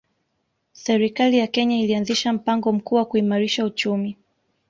Serikali ya Kenya ilianzisha mpango mkuu wa kuimarisha uchumi